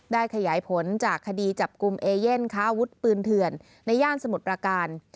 ขยายผลจากคดีจับกลุ่มเอเย่นค้าอาวุธปืนเถื่อนในย่านสมุทรประการ